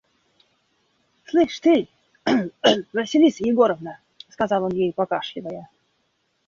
«Слышь ты, Василиса Егоровна, – сказал он ей покашливая.